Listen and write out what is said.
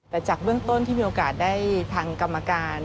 แต่จากเบื้องต้นที่มีโอกาสได้ทางกรรมการ